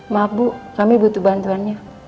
maaf bu kami butuh bantuannya